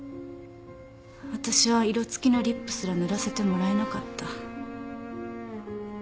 私は色付きのリップすら塗らせてもらえなかった。